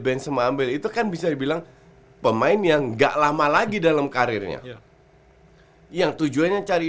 band sema ambil itu kan bisa dibilang pemain yang enggak lama lagi dalam karirnya yang tujuannya cari